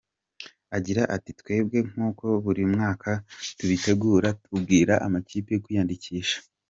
Agira ati “Twebwe nk’uko buri mwaka tubitegura, tubwira amakipe kwiyandikisha.